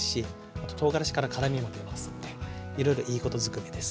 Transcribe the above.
あととうがらしから辛みも出ますんでいろいろいいことずくめですね。